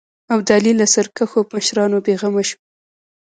ابدالي له سرکښو مشرانو بېغمه شو.